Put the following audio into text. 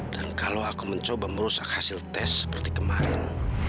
dan kalau aku mencoba merusak hasil tes seperti kemarin